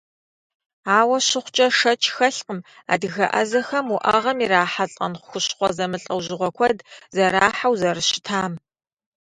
Ауэ щыхъукӏэ, шэч хэлъкъым адыгэ ӏэзэхэм уӏэгъэм ирахьэлӏэн хущхъуэ зэмылӏэужьыгъуэ куэд зэрахьэу зэрыщытам.